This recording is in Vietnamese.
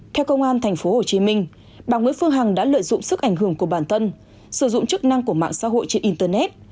theo công an tp hcm bà nguyễn phương hằng đã lợi dụng sức ảnh hưởng của bản thân sử dụng chức năng của mạng xã hội trên internet